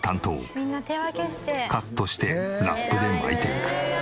カットしてラップで巻いていく。